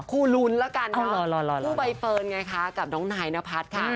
ลุ้นละกันคู่ใบเฟิร์นไงคะกับน้องนายนพัฒน์ค่ะ